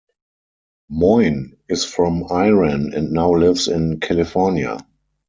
Moin is from Iran, and now lives in California.